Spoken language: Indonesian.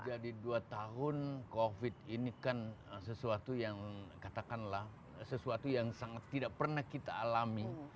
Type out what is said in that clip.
jadi dua tahun covid ini kan sesuatu yang katakanlah sesuatu yang sangat tidak pernah kita alami